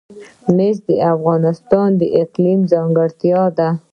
مس د افغانستان د اقلیم ځانګړتیا ده.